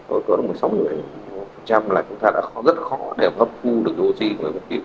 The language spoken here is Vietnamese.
ở cỡ một mươi sáu một mươi bảy là chúng ta đã rất khó để gấp thu được oxy